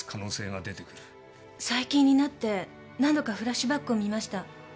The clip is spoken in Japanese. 最近になって何度かフラッシュバックを見ました。